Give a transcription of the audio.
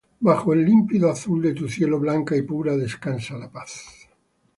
bajo el límpido azul de tu cielo blanca y pura descansa la paz